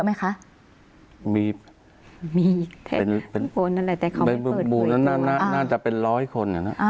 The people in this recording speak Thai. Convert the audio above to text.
หน้าน่าจะเป็นร้อยคน